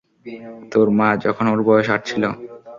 তোর মা, যখন ওর বয়স আট ছিল।